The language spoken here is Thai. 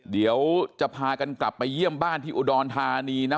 เดี๋ยวจะพากันกลับไปเยี่ยมบ้านที่อุดรธานีนะ